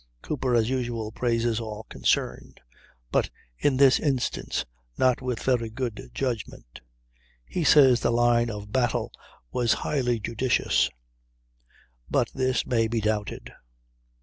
Cooper, as usual, praises all concerned; but in this instance not with very good judgment. He says the line of battle was highly judicious, but this may be doubted.